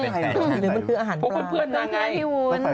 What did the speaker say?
หรือมันคืออาหารปลา